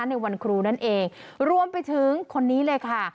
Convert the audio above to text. ในวันครูนั่นเองรวมไปถึงคนนี้เลยค่ะ